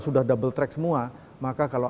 sudah double track semua maka kalau